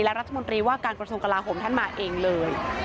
และรัฐมนตรีว่าการกระทรวงกลาโหมท่านมาเองเลย